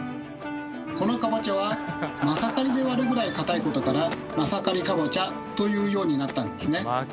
このかぼちゃはマサカリで割るぐらい硬いことから「マサカリかぼちゃ」と言うようになったんですね。